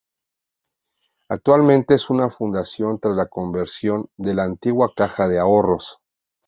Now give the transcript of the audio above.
Actualmente, es una fundación tras la conversión de la antigua caja de ahorros.